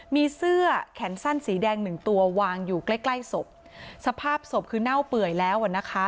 มีเสื้อแขนสั้นสีแดงหนึ่งตัววางอยู่ใกล้ใกล้ศพสภาพศพคือเน่าเปื่อยแล้วอ่ะนะคะ